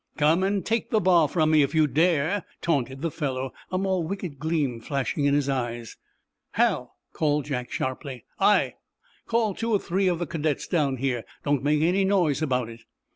"Come and take the bar from me—if you dare!" taunted the fellow, a more wicked gleam flashing in his eyes. "Hal!" called Jack, sharply. "Aye!" "Call two or three of the cadets down here. Don't make any noise about it."